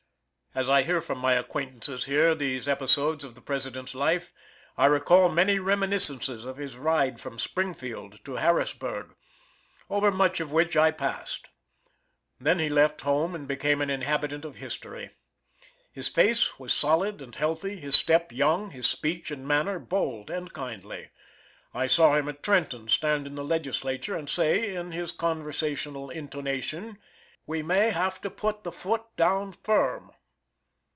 As I hear from my acquaintances here these episodes of the President's life, I recall many reminiscences of his ride from Springfield to Harrisburg, over much of which I passed. Then he left home and became an inhabitant of history. His face was solid and healthy, his step young, his speech and manner bold and kindly. I saw him at Trenton stand in the Legislature, and say, in his conversational intonation: "We may have to put the foot down firm."